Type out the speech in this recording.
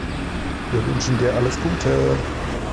Wir wünschen Dir alles Gute.